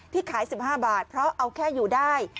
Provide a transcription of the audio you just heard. ขาย๑๕บาทเพราะเอาแค่อยู่ได้